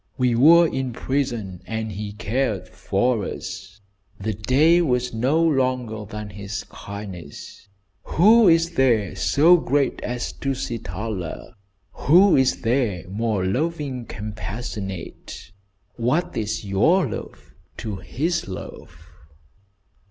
We were in prison and he cared for us. The day was no longer than his kindness. Who is there so great as Tusitala? Who is there more loving compassionate? What is your love to his love?"